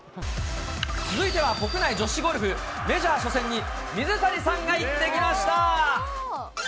続いては国内女子ゴルフ、メジャー初戦に、水谷さんが行ってきました。